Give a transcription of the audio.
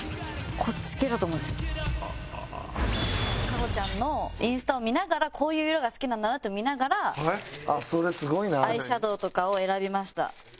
歌穂ちゃんのインスタを見ながらこういう色が好きなんだなっていうのを見ながらアイシャドーとかを選びました。